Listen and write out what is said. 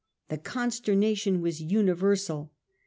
The consternation was universal.